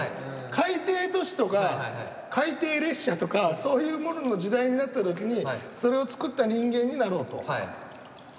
海底都市とか海底列車とかそういうものの時代になった時にそれを造った人間になろうと。